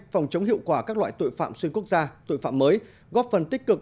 phòng chống hiệu quả các loại tội phạm xuyên quốc gia tội phạm mới góp phần tích cực